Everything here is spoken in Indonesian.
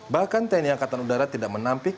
bahkan tni angkatan udara tidak menampik